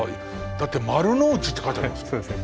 だって「丸ノ内」って書いてありますよ。